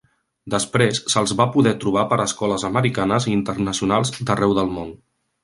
Després se'ls va poder trobar per escoles americanes i internacionals d'arreu del món.